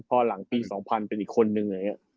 พอหลังปี๒๐๐๐เป็นอีกคนนึง